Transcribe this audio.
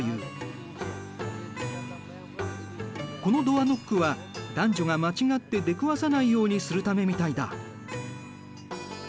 このドアノックは男女が間違って出くわさないようにするためみたいだ。